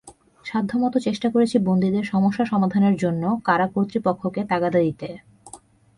সাধ্যমতো চেষ্টা করেছি বন্দীদের সমস্যা সমাধানের জন্য কারা কর্তৃপক্ষকে তাগাদা দিতে।